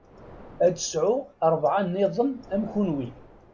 Ad sɛuɣ rebɛa nniḍen am kunwi.